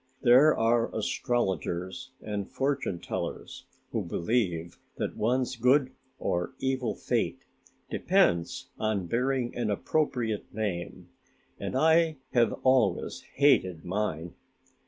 There are astrologers and fortune tellers who believe that one's good or evil fate depends on bearing an appropriate name and I have always hated mine."